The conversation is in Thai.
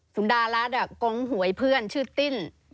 สุดารัฐกองหวยเพื่อนชื่อติ้น